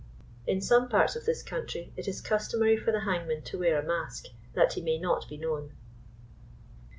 In some parts of this country it is customary for the hangman to wear a mask, that he may not be known.